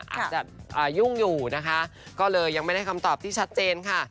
อาจจะยุ่งอยู่นะคะก็เลยยังไม่ได้คำตอบที่ชัดเจนค่ะ